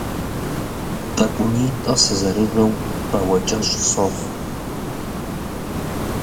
Тӏэкӏунитӏэ сызэрыжэу бауэкӏэщӏ сохъу.